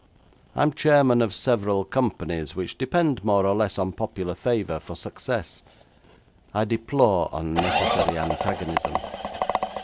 'I am chairman of several companies which depend more or less on popular favour for success. I deplore unnecessary antagonism.